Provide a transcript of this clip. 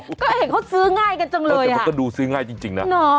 ก็เห็นเขาซื้อง่ายจังเลยฮะคอเต็มมันก็ดูซื้อง่ายจริงน่า